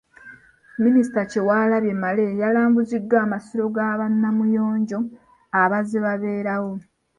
Minisita Kyewalabye Male yalambuziddwa amasiro ga ba Namuyonjo abazze babeerawo.